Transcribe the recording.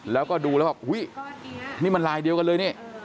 แล้วก็ดูแล้วบอกอุ้ยนี่มันลายเดียวกันเลยนี่